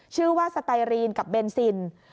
ชื่อว่าสไตรีนกับเบนซิน